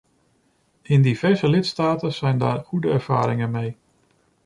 In diverse lidstaten zijn daar goede ervaringen mee.